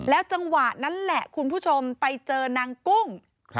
จังหวะนั้นแหละคุณผู้ชมไปเจอนางกุ้ง